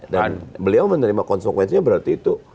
dan beliau menerima konsekuensinya berarti itu